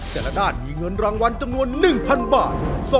แต่ละด้านมีเงินรางวัลจำนวน๑๐๐บาท